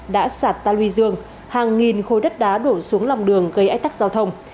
đã sạt ta luy dương hàng nghìn khối đất đá đổ xuống lòng đường gây ách tắc giao thông